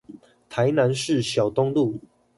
台南市小東路